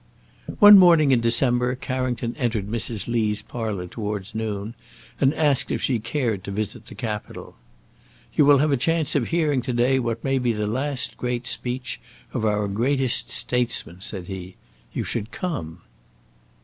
One morning in December, Carrington entered Mrs. Lee's parlour towards noon, and asked if she cared to visit the Capitol. "You will have a chance of hearing to day what may be the last great speech of our greatest statesman," said he; "you should come."